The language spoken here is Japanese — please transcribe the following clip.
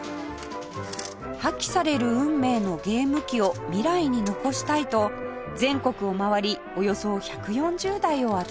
破棄される運命のゲーム機を未来に残したいと全国を回りおよそ１４０台を集めました